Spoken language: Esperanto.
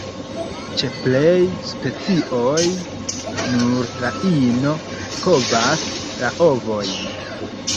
Ĉe plej specioj, nur la ino kovas la ovojn.